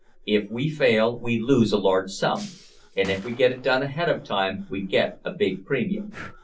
"If we fail, we lose a large sum, and if we get it done ahead of time we get a big premium.